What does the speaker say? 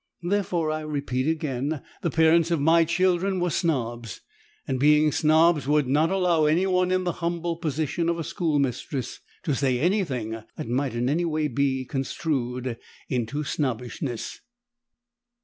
Therefore I repeat again, the parents of my children were snobs, and being snobs would not allow any one in the humble position of a schoolmistress to say any thing that might in any way be construed into snobbishness.